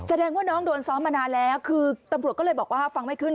แสดงว่าน้องโดนซ้อมมานานแล้วคือตำรวจก็เลยบอกว่าฟังไม่ขึ้น